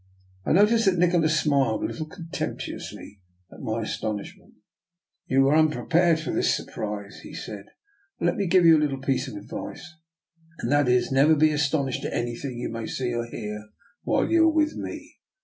I noticed that Nikola smiled a little contemptuously at my astonishment. DR. NIKOLA'S EXPERIMENT, 163 " You were unprepared for this surprise," he said. " Well, let me give you a little piece of advice, and that is, never be astonished at anything you may see or hear while you are with me.